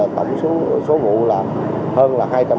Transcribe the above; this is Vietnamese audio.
tổng số vụ là hơn hai trăm linh